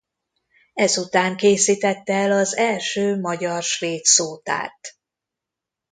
Ezután készítette el az első magyar–svéd szótárt.